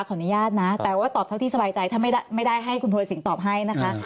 อนุญาตนะแต่ว่าตอบเท่าที่สบายใจถ้าไม่ได้ให้คุณภูริสินตอบให้นะคะ